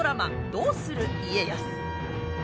「どうする家康」。